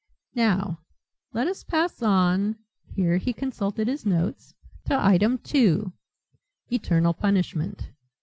"Now let us pass on" here he consulted his notes "to item two, eternal punishment.